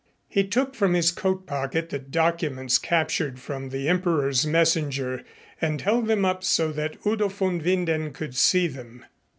He took from his coat pocket the documents captured from the Emperor's messenger and held them up so that Udo von Winden could see them.